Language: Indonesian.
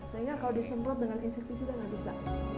sehingga kalau disemprot dengan insektis itu nggak bisa